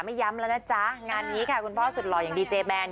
ย้ำแล้วนะจ๊ะงานนี้ค่ะคุณพ่อสุดหล่ออย่างดีเจแมน